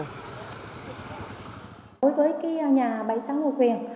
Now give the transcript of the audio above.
đối với nhà bảy mươi sáu nguồn quyền